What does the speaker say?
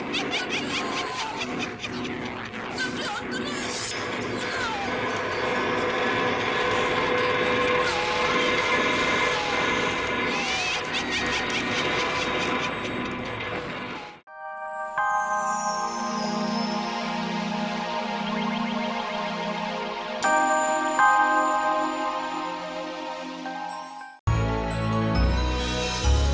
tante aku gak bisa